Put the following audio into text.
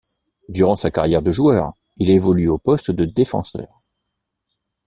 Durant sa carrière de joueur, il évolue au poste de défenseur.